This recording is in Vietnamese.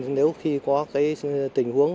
nếu khi có tình huống